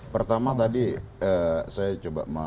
pertama tadi saya coba